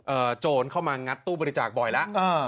โจรเข้ามางัดตู้บริจาคบ่อยแล้วเออ